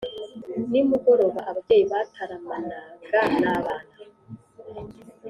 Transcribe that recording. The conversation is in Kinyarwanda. nimugoraba ababyeyi bataramanaga n’abana